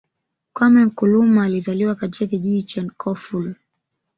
Kwame Nkrumah alizaliwa katika kijiji cha Nkroful